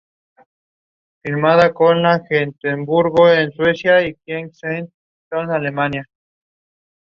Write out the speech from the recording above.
She works remotely for Simmons University as an adjunct professor and academic advisor.